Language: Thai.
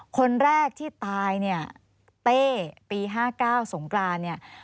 คนแรกที่ตายเนี่ยเต้ปี๕๙สงกรานเนี่ย